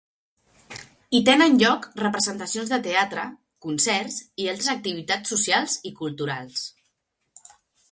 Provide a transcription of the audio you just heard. Hi tenen lloc representacions de teatre, concerts i altres activitats socials i culturals.